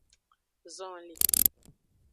Zonlin.